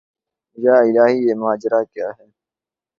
یا الٰہی یہ ماجرا کیا ہے